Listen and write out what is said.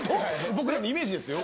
僕らのイメージですよ。